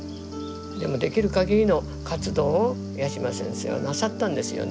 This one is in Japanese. でもできるかぎりの活動を八島先生はなさったんですよね。